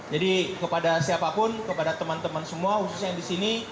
jadi kepada siapapun kepada teman teman semua khusus yang di sini